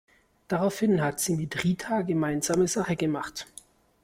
Daraufhin hat sie mit Rita gemeinsame Sache gemacht.